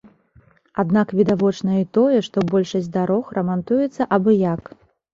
Аднак відавочна і тое, што большасць дарог рамантуецца абы-як.